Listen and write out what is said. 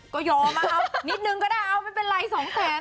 ก็ยอมครับนิดนึงก็ได้ไม่เป็นไร๒แสนค่ะ